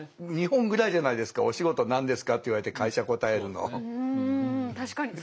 日本ぐらいじゃないですか「お仕事何ですか？」って言われて会社答えるの。